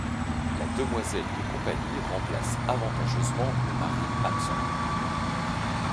La demoiselle de compagnie remplace avantageusement le mari absent.